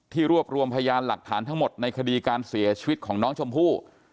รวบรวมพยานหลักฐานทั้งหมดในคดีการเสียชีวิตของน้องชมพู่